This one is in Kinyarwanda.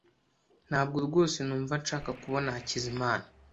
Ntabwo rwose numva nshaka kubona Hakizimana .